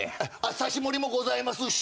刺し盛りもございますし。